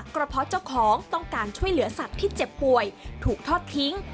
ก็เพราะเจ้าของต้องการช่วยเหลือสัตว์ที่เจ็บป่วยถูกทอดทิ้ง